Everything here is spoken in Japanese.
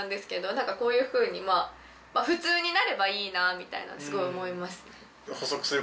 なんかこういうふうに普通になればいいなみたいなすごい思います。